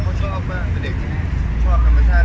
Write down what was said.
เขาชอบมากเป็นเด็กชอบธรรมชาติ